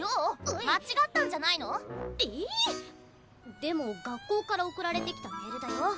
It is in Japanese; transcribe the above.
でも学校から送られてきたメールだよ？